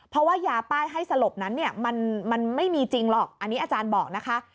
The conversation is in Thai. เพราะว่ายาป้ายให้สลบนั้นเนี่ยมันไม่มีจริงหรอกอันนี้อาจารย์บอกนะคะ